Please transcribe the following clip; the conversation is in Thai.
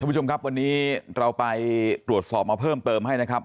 ผู้ชมครับวันนี้เราไปตรวจสอบมาเพิ่มเติมให้นะครับ